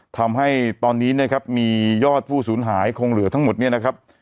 ทำให้ตอนนี้นะครับมียอดผู้สูญหายคงเหลือทั้งหมดเนี่ยนะครับ